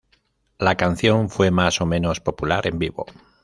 La canción fue más o menos popular en vivo.